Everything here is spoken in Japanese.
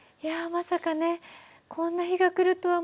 まさかねこんな日が来るとは。